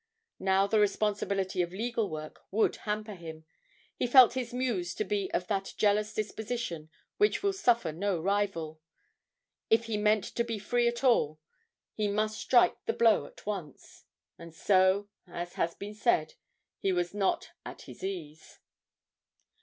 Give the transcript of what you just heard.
Now the responsibility of legal work would hamper him he felt his muse to be of that jealous disposition which will suffer no rival if he meant to be free at all, he must strike the blow at once. And so, as has been said, he was not at his ease.